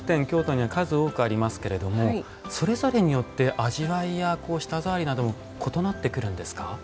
京都には数多くありますけれどもそれぞれによって味わいや舌ざわりなども異なってくるんですか？